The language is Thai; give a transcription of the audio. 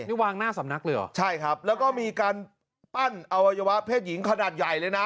นี่วางหน้าสำนักเลยเหรอใช่ครับแล้วก็มีการปั้นอวัยวะเพศหญิงขนาดใหญ่เลยนะ